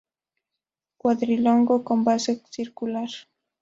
Cuadrilongo con base circular.